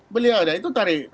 beliau ada itu tadi